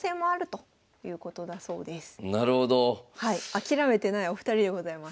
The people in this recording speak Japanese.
諦めてないお二人でございます。